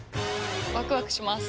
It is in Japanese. ワクワクします。